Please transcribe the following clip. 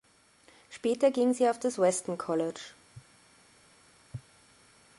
Später ging sie auf das Weston College.